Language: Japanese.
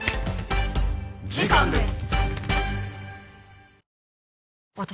時間です！